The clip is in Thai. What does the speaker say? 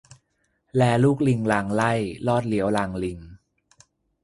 แลลูกลิงลางไหล้ ลอดเลี้ยวลางลิง